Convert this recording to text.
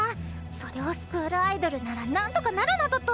それをスクールアイドルなら何とかなるなどと！